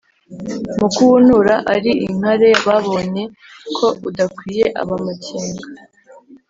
Mu kuwuntura ari inkare, babonye ko udakwiye ab’amakenga